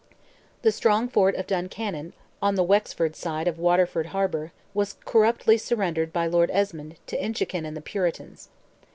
The strong fort of Duncannon, on the Wexford side of Waterford harbour, was corruptly surrendered by Lord Esmond, to Inchiquin and the Puritans.